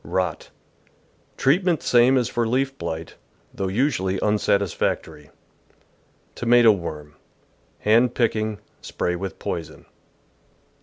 Rot. — Treatment same as for leaf blight, though usually unsatisfactory. Tomato Worm. — Hand picking ; spray with poison.